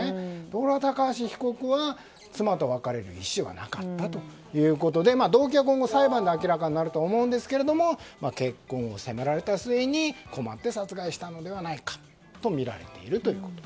ところが高橋被告は妻と別れる意思はなかったということで動機は今後、裁判で明らかになると思うんですが結婚を迫られた末に困って殺害したのではないかとみられているということ。